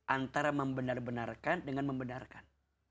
antara membenar benarkan dengan membenarkan